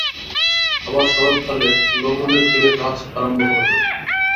আবার শরৎকালে লণ্ডনে ফিরে কাজ আরম্ভ করা যাবে।